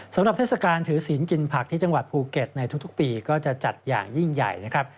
เทศกาลถือศีลกินผักที่จังหวัดภูเก็ตในทุกปีก็จะจัดอย่างยิ่งใหญ่นะครับ